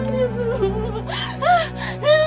tuhan tidak akan menang